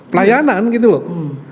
pelayanan gitu loh